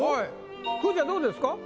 くーちゃんどうですか？